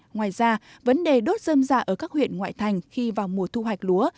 ngoài ra vấn đề đốt dơm dạ ở các huyện ngoại thành khi vào mùa thu hoạch lúa